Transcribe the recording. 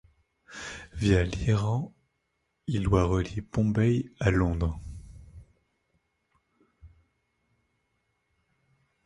Via l'Iran, il doit relier Bombay à Londres.